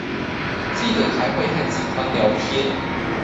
記得還會和警方聊天